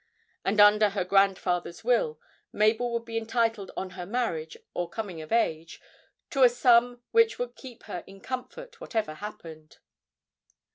And under her grandfather's will Mabel would be entitled on her marriage or coming of age to a sum which would keep her in comfort whatever happened.